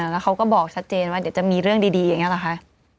แล้วเขาก็บอกชัดเจนว่าเดี๋ยวจะมีเรื่องดีอย่างนี้หรอคะ